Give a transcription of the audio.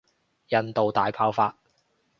印度大爆發